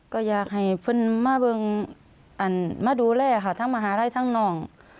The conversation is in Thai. ก็อยากให้เพื่อนมาเบิ้งมาดูแลค่ะทั้งมหาลัยทั้งน้อง